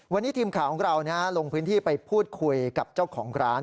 วันนี้ทีมข่าวของเราลงพื้นที่ไปพูดคุยกับเจ้าของร้าน